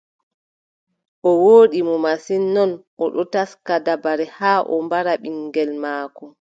O wooɗi mo masin, non, o ɗon taska dabare haa o mbara ɓiŋngel maako.